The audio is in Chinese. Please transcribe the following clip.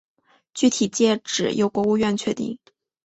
具体界址由国务院确定。